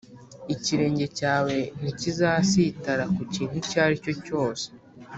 ikirenge cyawe ntikizasitara ku kintu icyo ari cyose